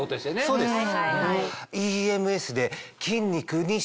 そうです。